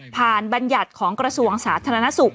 ผ่านบรรยัติของกระทรวงสาธารณสุข